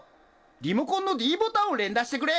「リモコンのｄボタンを連打してくれ」